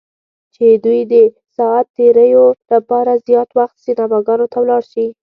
چې دوی د ساعت تیریو لپاره زیات وخت سینماګانو ته ولاړ شي.